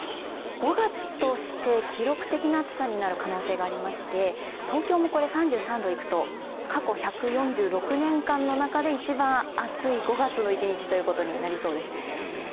５月として記録的な暑さになる可能性がありまして東京も３３度いくと過去１４６年間の中で一番暑い５月の一日となりそうです